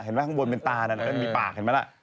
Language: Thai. เห็นไหมข้างบนมีตานั่นอ่ะแล้วมีปากเห็นไหมล่ะ